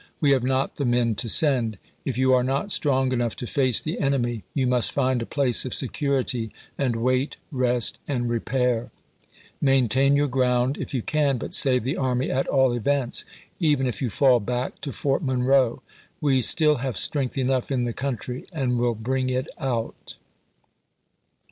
We have not the men to send. If you are not strong enough to face the enemy you must find a place of security, and wait, rest, and repair. Main tain your ground if you can, but save the army at all w. r. events, even if you fall back to Fort Monroe. We still part'^L,' have strength enough in the country, and will bring it out.